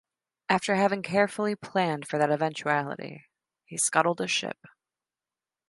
After having carefully planned for that eventuality, he scuttled his ship.